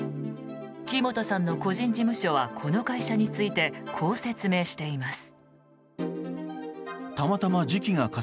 木本さんの個人事務所はこの会社についてこう説明しています。